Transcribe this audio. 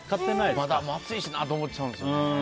暑いしなって思っちゃうんですよね。